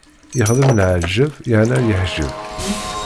Ixdem leεǧeb yerna yeḥǧeb.